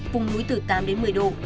vùng núi từ tám đến một mươi độ